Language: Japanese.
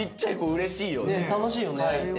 楽しいよね。